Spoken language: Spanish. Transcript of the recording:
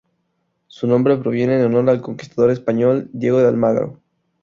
Su nombre proviene en honor al conquistador español Diego de Almagro.